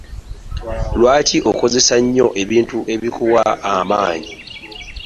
Lwaki okozesa nnyo ebintu ebikuwa amanyi?